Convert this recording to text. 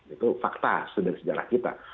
itu fakta sudah sejarah kita